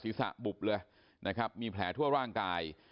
ศีรษะบุบเลยนะครับ